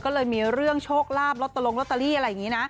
ก็เลยมีเรื่องโชคลาบล็อตลงลอตเตอรี่อะไรอย่างนี้นะ